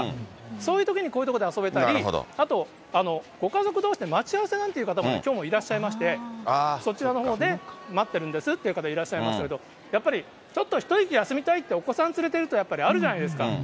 そういうときにこういう所で遊べたり、あとご家族どうしで待ち合わせなんていう方もきょうもいらっしゃいまして、そちらのほうで待ってるんですって方、いらっしゃいましたけど、やっぱり、ちょっとひと息休みたいって、お子さん連れてると、やっぱりあるじゃないですか。